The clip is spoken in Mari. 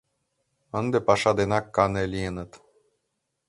Ынде паша денак кане лийыныт.